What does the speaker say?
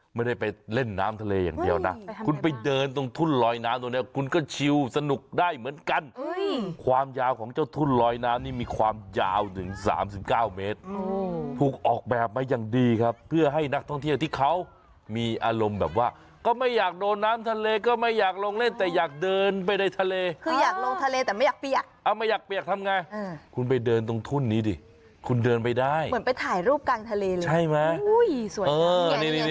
ไม่ได้ไปเล่นน้ำทะเลอย่างเดียวนะคุณไปเดินตรงทุ่นลอยน้ำตรงนี้คุณก็ชิลสนุกได้เหมือนกันความยาวของเจ้าทุ่นลอยน้ำนี่มีความยาวถึง๓๙เมตรโอ้ถูกออกแบบมาอย่างดีครับเพื่อให้นักท่องเที่ยวที่เขามีอารมณ์แบบว่าก็ไม่อยากโดนน้ำทะเลก็ไม่อยากลงเล่นแต่อยากเดินไปในทะเลคืออยากลงทะเลแต่ไม่อยากเป